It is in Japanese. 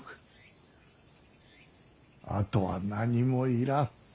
あとは何もいらん。